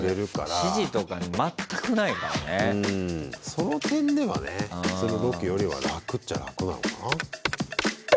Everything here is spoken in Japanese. その点ではね普通のロケよりは楽っちゃ楽なのかな？